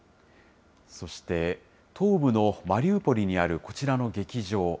そして、東部のマリウポリにあるこちらの劇場。